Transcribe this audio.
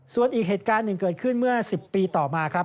ส่วนอีกเหตุการณ์หนึ่งเกิดขึ้นเมื่อ๑๐ปีต่อมาครับ